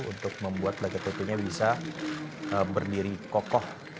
untuk membuat bktp nya bisa berdiri kokoh